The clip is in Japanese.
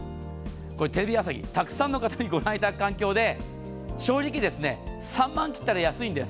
テレビ朝日、たくさんの方にご覧いただく環境で正直、３万切ったら安いんです。